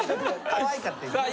・かわいかった・さあ